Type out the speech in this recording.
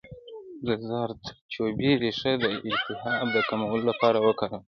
د زردچوبې ریښه د التهاب د کمولو لپاره وکاروئ